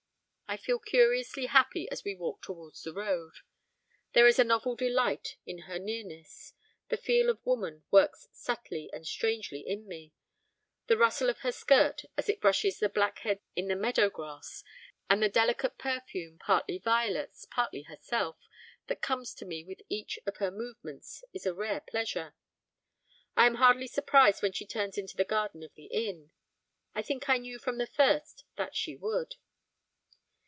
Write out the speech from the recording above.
I feel curiously happy as we walk towards the road; there is a novel delight in her nearness; the feel of woman works subtly and strangely in me; the rustle of her skirt as it brushes the black heads in the meadow grass, and the delicate perfume, partly violets, partly herself, that comes to me with each of her movements is a rare pleasure. I am hardly surprised when she turns into the garden of the inn, I think I knew from the first that she would.